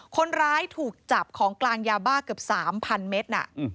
คนร้ายถูกจับของกลางยาบ้าเกือบ๓๐๐เมตร